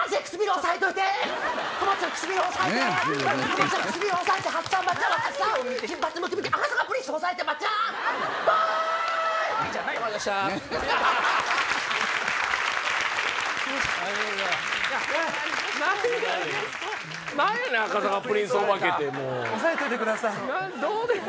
押さえといてください。